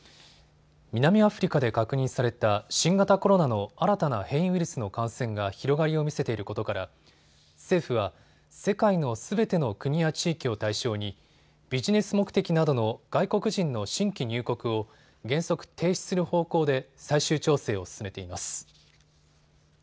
南アフリカで確認された新型コロナの新たな変異ウイルスの感染が広がりを見せていることから政府は世界のすべての国や地域を対象にビジネス目的などの外国人の新規入国を原則、停止する方向で最終調整を進めています。